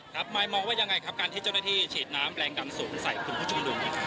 ครับหมายมองว่ายังไงครับการที่เจ้าหน้าที่ฉีดน้ำแรงกำสูงใส่ผู้ชมนุม